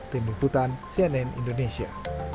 tim liputan cnn indonesia